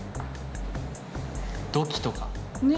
土器とか。